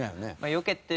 よけて。